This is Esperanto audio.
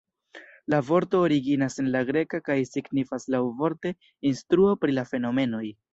La vorto originas en la greka kaj signifas laŭvorte "instruo pri la fenomenoj".